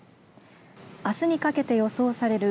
あすにかけて予想される